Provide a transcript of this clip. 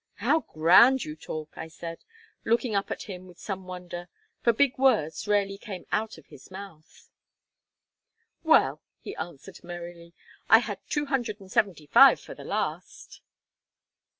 "How grand you talk!" I said, looking up at him with some wonder; for big words rarely came out of his mouth. "Well," he answered merrily, "I had two hundred and seventy five for the last."